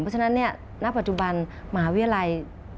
เพราะฉะนั้นณปัจจุบันมหาวิทยาลัย